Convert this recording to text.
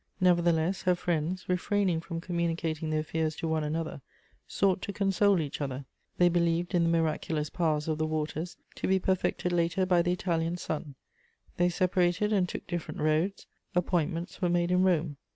Nevertheless her friends, refraining from communicating their fears to one another, sought to console each other; they believed in the miraculous powers of the waters, to be perfected later by the Italian sun; they separated and took different roads; appointments were made in Rome.